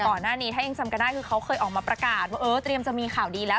ก่อนหน้านี้ถ้ายังจำกันได้คือเขาเคยออกมาประกาศว่าเออเตรียมจะมีข่าวดีแล้ว